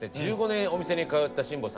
１５年お店に通った新保さん